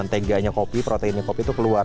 menteganya kopi proteinnya kopi itu keluar